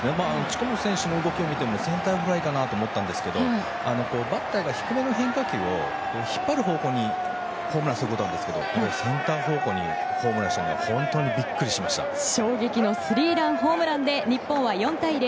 近本選手の動きを見てもセンターフライかなと思ったんですけどバッターが低めの変化球を引っ張る方向にホームランすることはあるんですがこれ、センター方向にホームランしたので衝撃のスリーランホームランで日本は４対０。